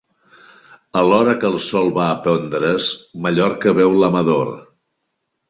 A l’hora que el sol va a pondre's, Mallorca veu l’amador.